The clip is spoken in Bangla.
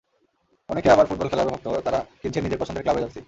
অনেকে আবার ফুটবল খেলারও ভক্ত, তাঁরা কিনছেন নিজের পছন্দের ক্লাবের জার্সি।